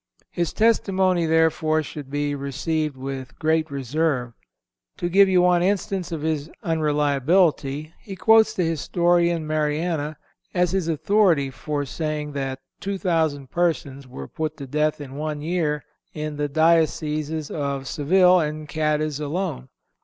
His testimony, therefore, should be received with great reserve. To give you one instance of his unreliability, he quotes the historian Mariana as his authority for saying that two thousand persons were put to death in one year in the dioceses of Seville and Cadiz alone.